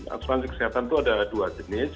asuransi kesehatan itu ada dua jenis